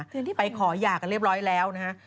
เดือนที่ผ่านไปขอหยากกันเรียบร้อยแล้วนะฮะ